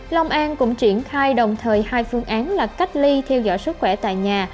long an cũng triển khai đồng thời hai phương án là cách ly theo dõi sức khỏe tại nhà